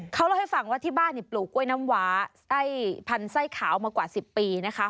เขาเล่าให้ฟังว่าที่บ้านปลูกกล้วยน้ำหวายพันธุ์ไส้ขาวมากว่า๑๐ปีนะคะ